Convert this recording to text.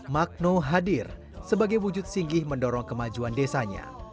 magno hadir sebagai wujud singgih mendorong kemajuan desanya